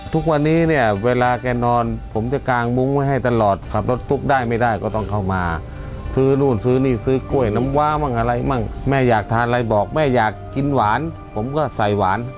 ทุกวันนี้เนี่ยเวลาแกนอนผมจะกางมุ้งไว้ให้ตลอดขับรถตุ๊กได้ไม่ได้ก็ต้องเข้ามาซื้อนู่นซื้อนี่ซื้อกล้วยน้ำว้ามั่งอะไรมั่งแม่อยากทานอะไรบอกแม่อยากกินหวานผมก็ใส่หวาน